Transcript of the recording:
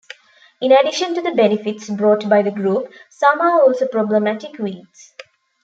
In addition to the benefits brought by the group, some are also problematic weeds.